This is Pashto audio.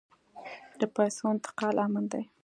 د پیسو انتقال امن دی؟